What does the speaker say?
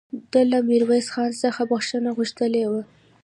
ده له ميرويس خان څخه بخښنه غوښتې وه